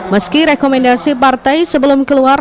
meski rekomendasi partai sebelum keluar